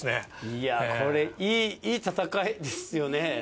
いやこれいい戦いですよね。